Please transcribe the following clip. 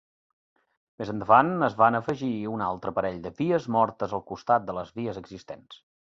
Més endavant es van afegir un altre parell de vies mortes al costat de les vies existents.